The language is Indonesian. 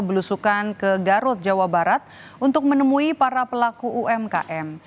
belusukan ke garut jawa barat untuk menemui para pelaku umkm